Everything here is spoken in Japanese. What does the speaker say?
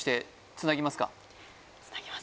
・つなぎますか？